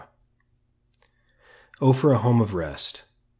Oh, for a home of rest!